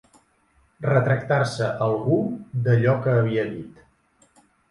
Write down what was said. Retractar-se algú d'allò que havia dit.